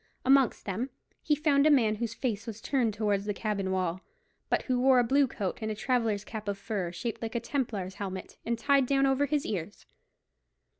Amongst them he found a man whose face was turned towards the cabin wall, but who wore a blue coat and a traveller's cap of fur, shaped like a Templar's helmet, and tied down over his ears.